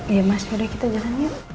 iya mas udah kita jalan yuk